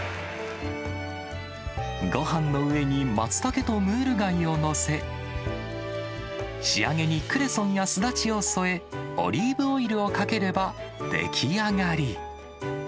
ごはんの上にマツタケとムール貝を載せ、仕上げにクレソンやスダチを添え、オリーブオイルをかければ出来上がり。